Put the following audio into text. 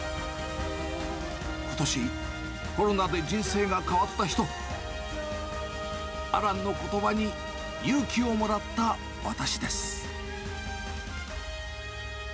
ことし、コロナで人生が変わった人、アランのことばに勇気をもらった私です。